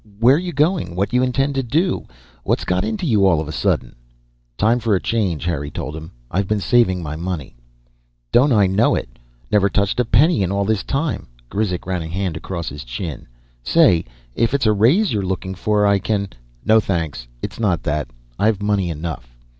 Where you going, what you intend to do? What's got into you all of a sudden?" "Time for a change," Harry told him. "I've been saving my money." "Don't I know it? Never touched a penny in all this time." Grizek ran a hand across his chin. "Say, if it's a raise you're looking for, I can " "No, thanks. It's not that. I've money enough."